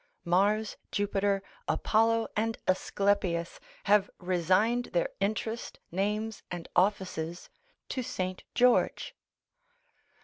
Mars, Jupiter, Apollo, and Aesculapius, have resigned their interest, names, and offices to Saint George.